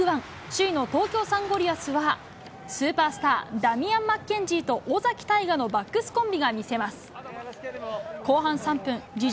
首位の東京サンゴリアスは、スーパースター、ダミアン・マッケンジーと尾崎泰雅のバックスコンビが見せます。